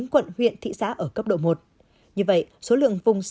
một mươi chín quận huyện thị xã ở cấp độ một